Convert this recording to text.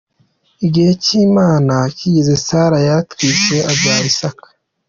Igihe cy’Imana kigeze Sara yaratwise abyara Isaka.